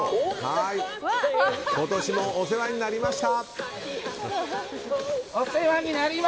今年もお世話になりました！